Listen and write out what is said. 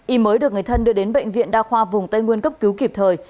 y mới được người thân đưa đến bệnh viện đa khoa vùng tây nguyên cấp cứu kịp thời